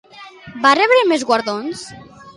Va rebre més guardons?